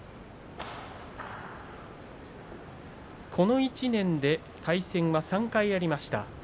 この１年で対戦は３回ありました。